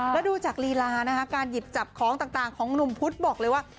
แล้วดูจากลีลานะคะการหยิบจับของต่างของหนุ่มพุธบอกเลยว่า